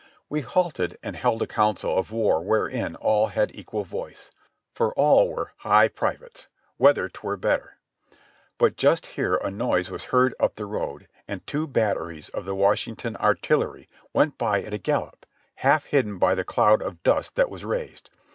We halted and held a council of war wherein all had equal voice, for all were "High Privates," whether 'twere better — but just here a noise was heard up the road, and two batteries of the Washington Artillery went by at a gallop, half hidden by the cloud of dust that was raised.